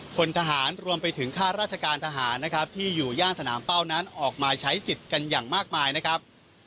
คนทหารรวมไปถึงค่าราชการทหารนะครับที่อยู่ย่านสนามเป้านั้นออกมาใช้สิทธิ์กันอย่างมากมายนะครับ